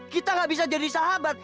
kita gak bisa jadi sahabat